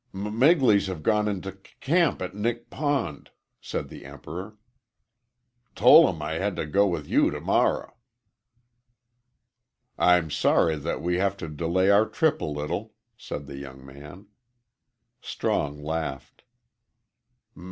"Migleys have gone into c camp at Nick Pond," said the Emperor. "Tol 'em I had t' go w with you t' morrer." "I'm sorry that we have to delay our trip a little," said the young man. Strong laughed.